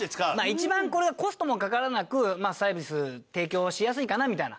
一番これがコストもかからなくサービス提供しやすいかなみたいな。